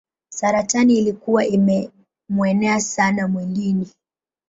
Saratani ilikuwa imemuenea sana mwilini.